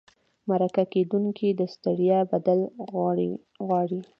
مرکه کېدونکي د ستړیا بدل غواړي.